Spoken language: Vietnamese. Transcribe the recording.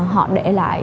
họ để lại